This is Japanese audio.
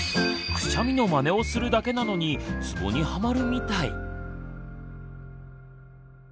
くしゃみのまねをするだけなのにツボにハマるみたい。